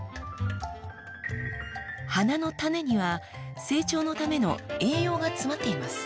花の種には成長のための栄養が詰まっています。